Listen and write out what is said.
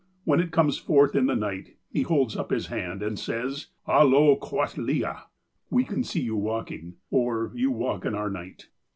When it comes forth in the night, he holds up his hand, and says : "Alio quathleay '' ("we can see you walking," or " you walk in our night